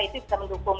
itu bisa mendukung